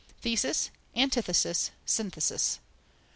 Thesis, antithesis, synthesis!